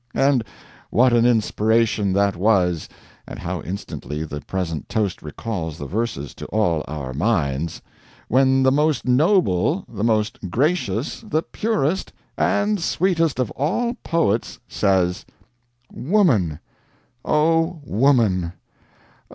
And what an inspiration that was (and how instantly the present toast recalls the verses to all our minds) when the most noble, the most gracious, the purest, and sweetest of all poets says: "Woman! O woman!